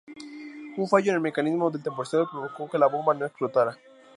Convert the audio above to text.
Un fallo en el mecanismo del temporizador provocó que la bomba no explotara.